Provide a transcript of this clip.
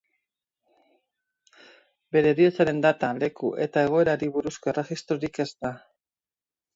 Bere heriotzaren data, leku eta egoerari buruzko erregistrorik ez da.